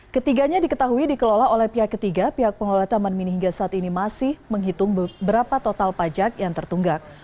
ketiganya diketahui dikelola oleh pihak ketiga pihak pengelola taman mini hingga saat ini masih menghitung beberapa total pajak yang tertunggak